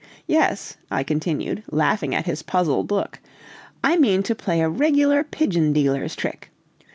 Yes," I continued, laughing at his puzzled look, "I mean to play a regular pigeon dealer's trick.